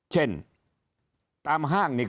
เช่นตามห้างนี่